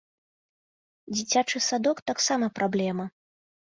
Дзіцячы садок таксама праблема.